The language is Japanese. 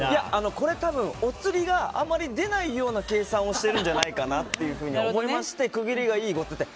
多分、おつりがあまり出ないような計算をしているんじゃないかなと思いまして区切りがいい５０００円で。